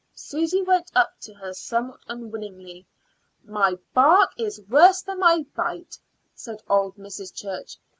Susy went up to her somewhat unwillingly. "My bark is worse than my bite," said old Mrs. Church.